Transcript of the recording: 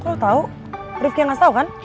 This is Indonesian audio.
kok lo tau ritki yang ngasih tau kan